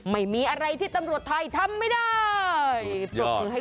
ไม่มีอะไรที่ตำรวจถ่ายทำไม่ได้